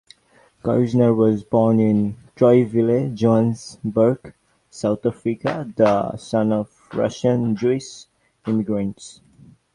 Kerzner was born in Troyville, Johannesburg, South Africa, the son of Russian Jewish immigrants.